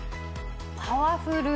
パワフル。